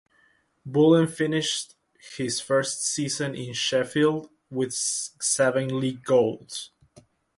Bullen finished his first season in Sheffield with seven league goals.